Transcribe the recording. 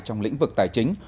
trong lĩnh vực tài chính